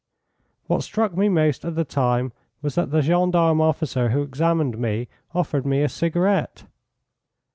What struck me most at the time was that the gendarme officer who examined me offered me a cigarette.